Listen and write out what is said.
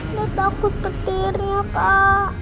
indah takut petirnya kak